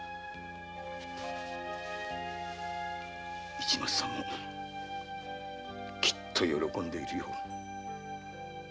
市松さんもきっと喜んでいるよ。